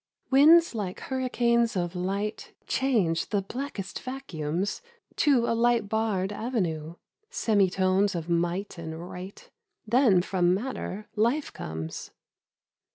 Winds like hurricanes of light Change the blackest vacuums To a light barred avenue — Semitones of might and right ; Then from matter life comes.